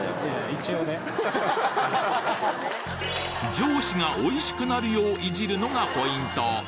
上司がおいしくなるようイジるのがポイント！